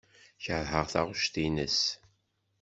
Keṛheɣ taɣect-nnes.